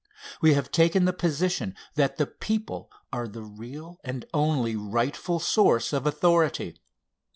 We have taken the position that the people are the real and only rightful source of authority.